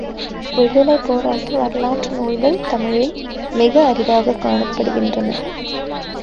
விடுதலைப் போராட்ட வரலாற்று நூல்கள் தமிழில் மிக அரிதாக காணப்படுகின்றன.